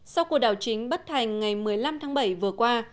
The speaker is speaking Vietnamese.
sau cuộc đảo chính bất thành ngày một mươi năm tháng bảy vừa qua